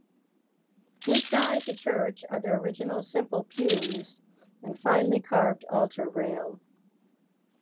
Inside the church are the original simple pews and finely carved altar rail.